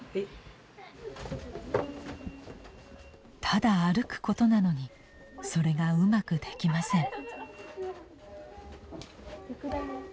ただ歩くことなのにそれがうまくできません。